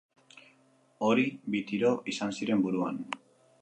Hori bi tiro izan ziren buruan.